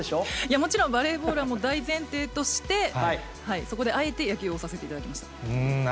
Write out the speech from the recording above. もちろんバレーボールは大前提として、そこであえて野球を推させていただきました。